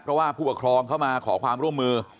เพราะว่าผู้ปกครองเข้ามาขอความร่วมมือ